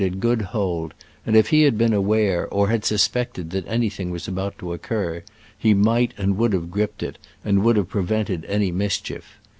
ed good hold, and if he had been aware or had sus pected that anything was about to occur, he might and would have gripped it, and would have prevented any mischief.